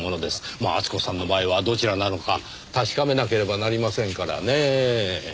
まあ厚子さんの場合はどちらなのか確かめなければなりませんからねぇ。